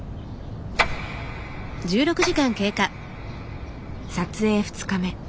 撮影２日目。